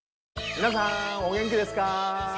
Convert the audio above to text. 皆さんお元気ですか？